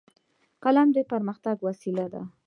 قلم د پرمختګ وسیله ده